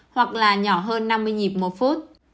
hoặc là nhỏ hơn năm mươi nhịp một phút